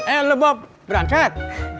eh lu bob berangkat